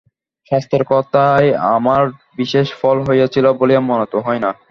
শাস্ত্রের কথায় আমার বিশেষ ফল হইয়াছিল বলিয়া মনে তো হয় না।